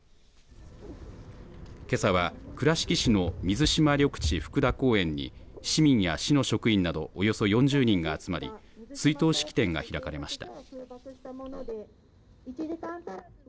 けさは、倉敷市の水島緑地福田公園に市民や市の職員などおよそ４０人が集まり追悼式典が開かれました。